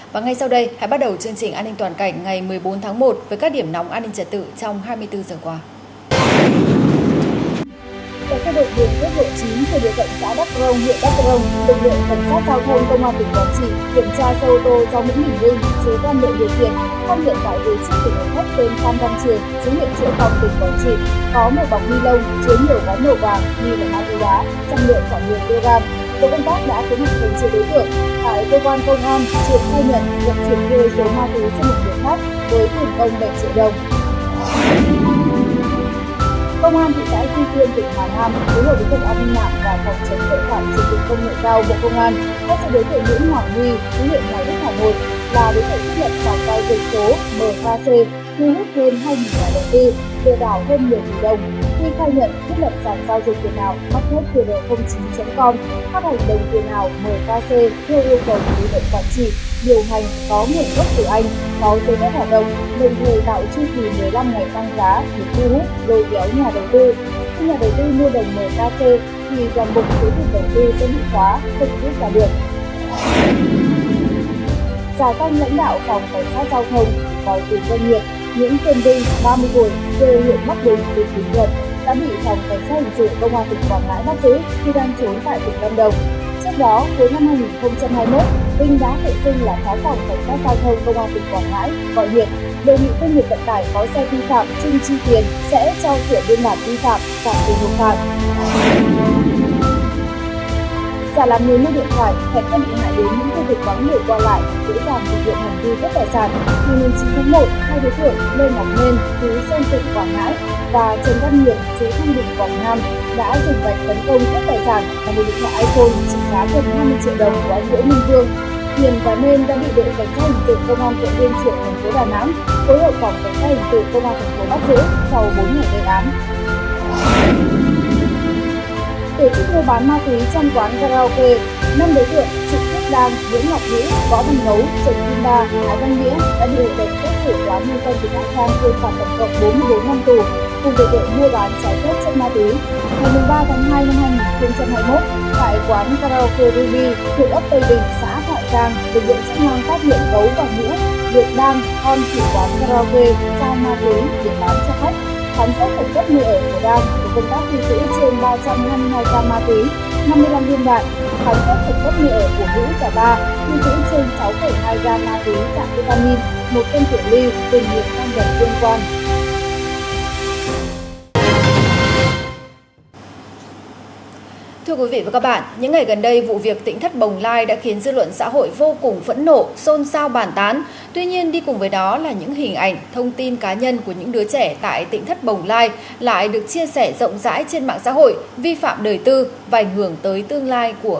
và ngay sau đây hãy bắt đầu chương trình an ninh toàn cảnh ngày một mươi bốn tháng một với các điểm nóng an ninh trật tự trong hai mươi bốn giờ qua